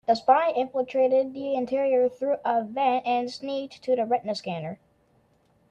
The spy infiltrated the interior through a vent and sneaked to the retina scanner.